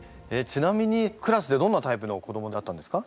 ちなみにクラスでどんなタイプの子どもだったんですか？